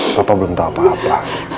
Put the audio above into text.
kenapa belum tahu apa apa